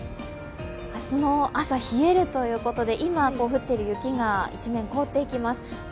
明日の朝、冷えるということで今降っている雪が一面、凍っていきます。